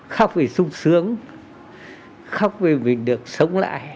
khóc vì sung sướng khóc vì mình được sống lại